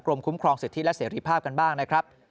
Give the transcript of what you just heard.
คุ้มครองสิทธิและเสรีภาพกันบ้างนะครับ